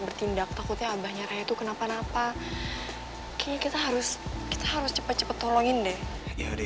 terlindak takutnya abahnya raya itu kenapa napa kita harus kita harus cepet cepet tolongin deh